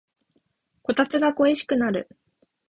こたつが恋しくなる